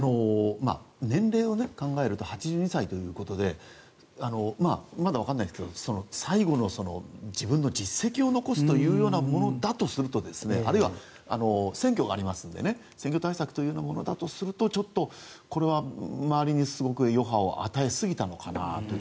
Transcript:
年齢を考えると８２歳ということでまだ分からないですが最後の自分の実績を残すということだとするとあるいは、選挙がありますのでね選挙対策というものだとするとちょっとこれは周りにすごく余波を与えすぎたのかなと。